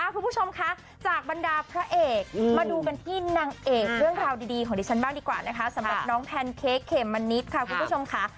คุณผู้ชมคะจากบรรดาพระเอกมาดูกันที่นางเอกเรื่องราวดีของดิฉันบ้างดีกว่านะคะสำหรับน้องแพนเค้กเขมมะนิดค่ะคุณผู้ชมค่ะ